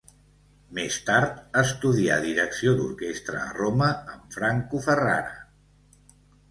Més tard estudia direcció d'orquestra a Roma amb Franco Ferrara.